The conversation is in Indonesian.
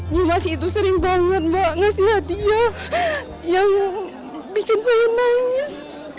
mubas itu sering banget mbak ngasih hadiah yang bikin saya nangis